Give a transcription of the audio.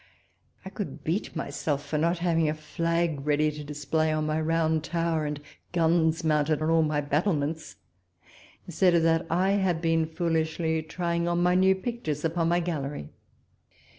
I could beat myself for not having a flag ready to display on my round tower, and guns mounted on all my battlements. Instead of that, I have been foolishly trying on my new pictures upon my gallery.